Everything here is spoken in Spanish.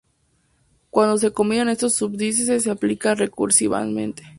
Cuando se combinan estos subíndices se aplican recursivamente.